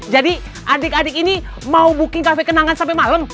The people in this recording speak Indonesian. jadi adik adik ini mau booking cafe kenangan sampe malem